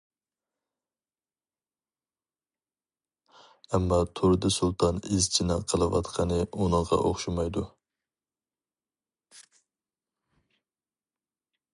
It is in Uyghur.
ئەمما تۇردى سۇلتان ئىزچىنىڭ قىلىۋاتقىنى ئۇنىڭغا ئوخشىمايدۇ.